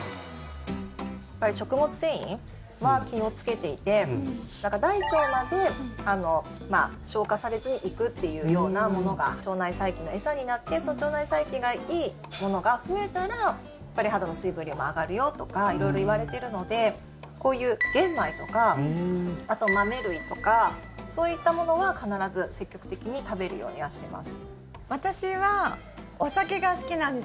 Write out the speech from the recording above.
やっぱり食物繊維は気をつけていて大腸まで消化されずに行くっていうようなものが腸内細菌の餌になってその腸内細菌がいいものが増えたら肌の水分量も上がるよとか色々いわれてるのでこういう玄米とかあと豆類とかそういったものは必ず積極的に食べるようにはしてます。